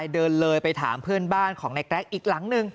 เดินเลยไปถามเพื่อนบ้านของในแกรกอีกหลังหนึ่ง